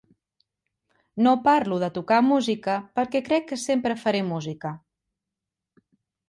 No parlo de tocar música perquè crec que sempre faré música.